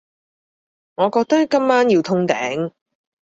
我覺得今晚要通頂